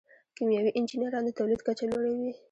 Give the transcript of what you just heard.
کیمیاوي انجینران د تولید کچه لوړوي.